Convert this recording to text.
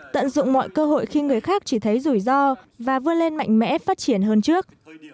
tận dụng mọi cơ hội khi người khác chỉ thấy rủi ro và vươn lên mạnh mẽ phát triển hơn trước